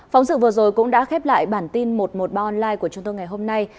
phóng sự vừa rồi cũng đã khép lại bản tin một trăm một mươi ba online của chúng tôi ngày hôm nay